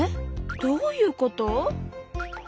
どういうこと？